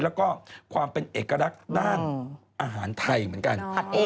แล้วก็ความเป็นเอกลักษณ์ด้านอาหารไทยเหมือนกัน